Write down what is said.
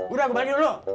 udah aku balik dulu